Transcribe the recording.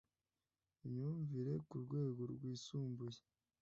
imyumvire ku rwego rwisumbuye